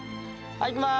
はい、いきます。